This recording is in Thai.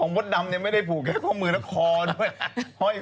พร้อมพลดดำนี่ไม่ได้ผูกแค่ข้อมือแล้วคอด้วย